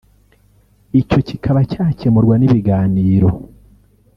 icyo kikaba cyakemurwa n’ibiganiro